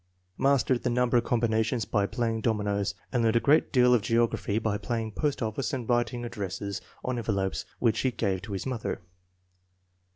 Mastered the number combinations by playing dominoes, and learned a great deal of geog raphy by playing post office and writing addresses on envelopes which he gave to his mother.